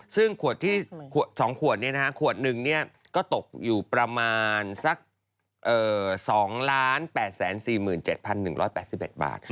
ซึ่งขวดที่๒ขวดขวดหนึ่งก็ตกอยู่ประมาณสัก๒๘๔๗๑๘๑บาท